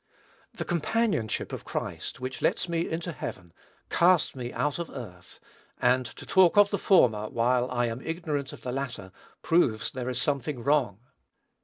The companionship of Christ, which lets me into heaven, casts me out of earth; and to talk of the former, while I am ignorant of the latter, proves there is something wrong.